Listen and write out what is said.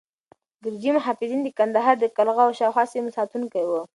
ګرجي محافظین د کندهار د قلعه او شاوخوا سیمو ساتونکي وو.